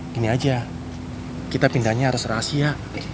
gini aja kita pindahnya harus rahasia